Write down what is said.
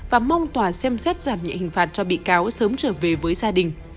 và mong tòa xem xét giảm nhẹ hình phạt cho bị cáo sớm trở về với gia đình